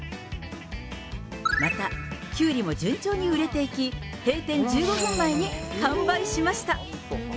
また、キュウリも順調に売れていき、閉店１５分前に完売しました。